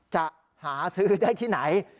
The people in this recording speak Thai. จะหาซื้อได้ที่ไหน